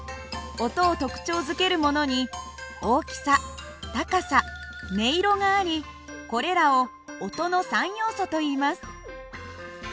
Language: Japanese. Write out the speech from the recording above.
音を特徴づけるものに大きさ高さ音色がありこれらを音の三要素といいます。